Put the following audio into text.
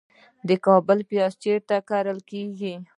د کابل پیاز چیرته کرل کیږي؟